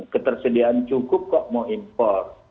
ketersediaan cukup kok mau import